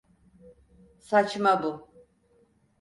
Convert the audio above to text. Saçma bu.